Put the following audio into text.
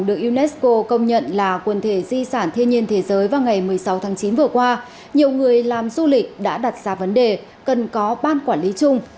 được unesco công nhận là quần thể di sản thiên nhiên thế giới vào ngày một mươi sáu tháng chín vừa qua nhiều người làm du lịch đã đặt ra vấn đề cần có ban quản lý chung